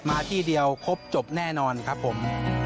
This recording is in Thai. มาที่เดียวครบจบแน่นอนครับผม